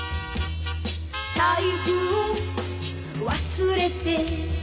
「財布を忘れて」